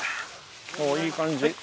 おぉいい感じ。